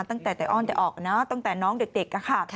ตั้งแต่อ้อนแต่ออกนะตั้งแต่น้องเด็กค่ะ